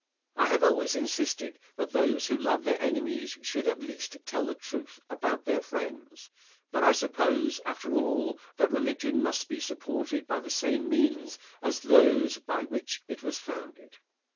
I have always insisted that those who love their enemies should at least tell the truth about their friends, but I suppose, after all, that religion must be supported by the same means as those by which it was founded.